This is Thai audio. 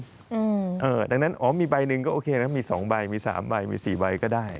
เพราะฉะนั้นอ๋อมีใบหนึ่งก็โอเคนะครับมีสองใบมีสามใบมีสี่ใบก็ได้